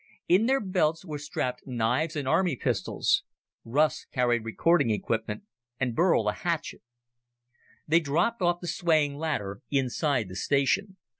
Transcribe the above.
In their belts were strapped knives and army pistols. Russ carried recording equipment, and Burl a hatchet. They dropped off the swaying ladder inside the station.